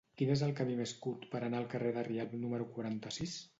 Quin és el camí més curt per anar al carrer de Rialb número quaranta-sis?